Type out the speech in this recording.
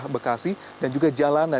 bekasi dan juga jalanan